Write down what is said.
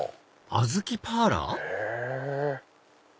あずきパーラー？